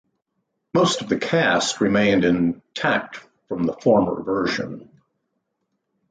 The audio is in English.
Most of the cast remained intact from the former version.